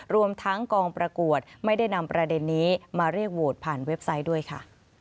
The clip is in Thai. รวมทั้งกองประกวดไม่ได้นำประเด็นนี้มาเรียกโหวตผ่านเว็บไซต์ด้วยค่ะ